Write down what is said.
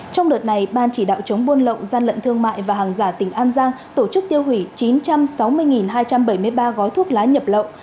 trong đợt này ban chỉ đạo chống buôn lậu gian lận thương mại và hàng giả tỉnh an giang tổ chức tiêu hủy chín trăm sáu mươi hai trăm bảy mươi ba gói thuốc lá nhập lậu